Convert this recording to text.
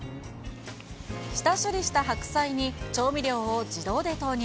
下処理した白菜に、調味料を自動で投入。